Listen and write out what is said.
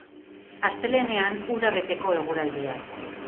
Astelehenean, uda beteko eguraldia.